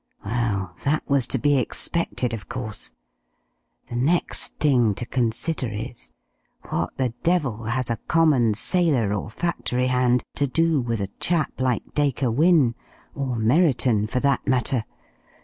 Well, that was to be expected, of course. The next thing to consider is what the devil has a common sailor or factory hand to do with a chap like Dacre Wynne? Or Merriton, for that matter.